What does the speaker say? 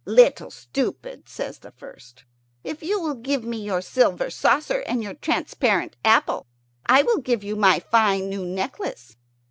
"Little Stupid," says the first, "if you will give me your silver saucer and your transparent apple, I will give you my fine new necklace."